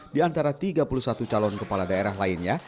di antara tiga puluh satu calon kepala daerah lainnya